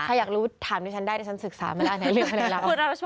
ถ้าอยากรู้ถามที่ฉันได้ฉันศึกษามาแล้วอันไหนเหลือมอันไหนหลาม